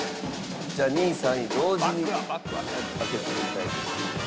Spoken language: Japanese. じゃあ２位３位同時に開けてみたいと思います。